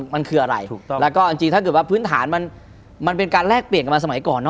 มันคืออะไรถ้าคือพื้นฐานมันเป็นการแลกเปลี่ยนกันมาสมัยก่อน